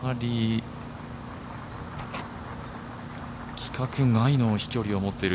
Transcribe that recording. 規格外の飛距離を持っている。